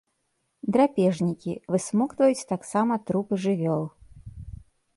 Драпежнікі, высмоктваюць таксама трупы жывёл.